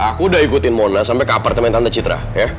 aku udah ikutin monas sampai ke apartemen tante citra